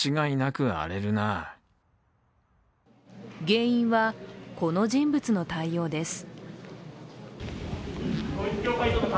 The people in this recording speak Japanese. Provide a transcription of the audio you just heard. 原因は、この人物の対応です。